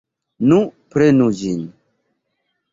Nu, prenu ĝin!